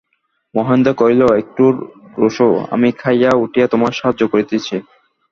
মহেন্দ্র কহিল, একটু রোসো, আমি খাইয়া উঠিয়া তোমার সাহায্য করিতেছি।